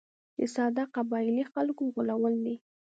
د ساده قبایلي خلکو غولول دي.